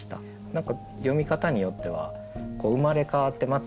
何か読み方によっては生まれ変わってまた